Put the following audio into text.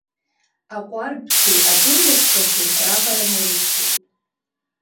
Аҟәардәқәеи атумбочкақәеи раҟара нарыцлеит.